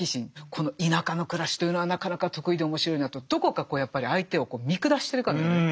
この田舎の暮らしというのはなかなか特異で面白いなとどこかこうやっぱり相手を見下してるかのような。